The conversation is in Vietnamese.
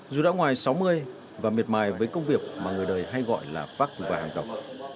dù đã ngoài sáu mươi và miệt mài với công việc mà người đời hay gọi là phát của vài hàng tộc